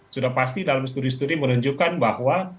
sudah pasti dalam studi studi menunjukkan bahwa